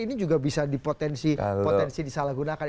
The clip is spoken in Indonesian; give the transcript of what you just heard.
ini juga bisa dipotensi disalahgunakan